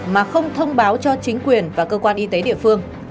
mà không thông báo cho chính quyền và cơ quan y tế địa phương